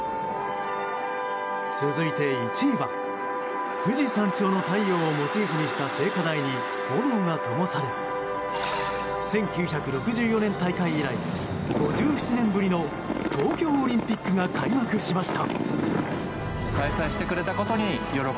続いて１位は富士山頂の太陽をモチーフにした聖火台に炎がともされ１９６４年大会以来５７年ぶりの東京オリンピックが開幕しました。